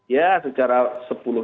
ya sejarah sepuluh